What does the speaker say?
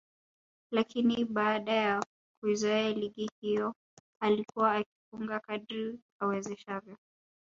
lakini baada ya kuizoea ligi hiyo alikuwa akifunga kadri awezeshavyo